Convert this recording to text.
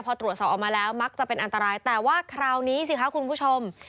พอตรวจสอบออกมาแล้วมักจะเป็นอันตรายแต่ว่าคราวนี้สิคะคุณผู้ชม